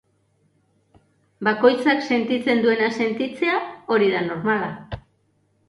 Bakoitzak sentitzen duena sentitzea, hori da normala.